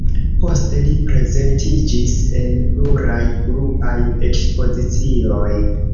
Poste li prezentiĝis en pluraj grupaj ekspozicioj.